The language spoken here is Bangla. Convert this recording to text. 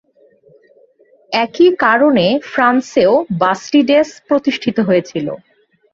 একই কারণে ফ্রান্সেও বাস্টিডেস প্রতিষ্ঠিত হয়েছিল।